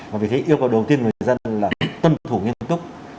và vì thế yêu cầu đầu tiên người dân là tuân thủ nghiêm túc